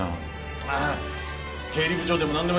ああ経理部長でもなんでもいい。